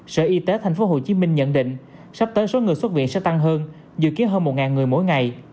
sở y tế tp hcm nhận định sắp tới số người xuất viện sẽ tăng hơn dự kiến hơn một người mỗi ngày